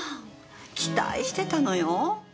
期待してたのよ。